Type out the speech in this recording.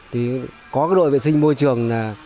thì có đội vệ sinh môi trường